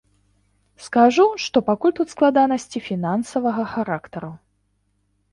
Скажу, што пакуль тут складанасці фінансавага характару.